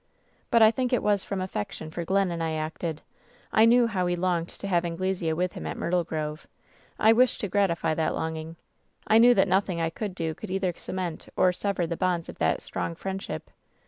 But I think it was from affection for Glennon I acted. I knew how he longed to have Anglesea with him at Myrtle Grove. I wished to f 18 WHEN SHADOWS DIE Ratify that longing. I knew that nothing I could do could either cement or sever the bonds of that strong friendship.